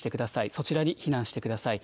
そちらに避難してください。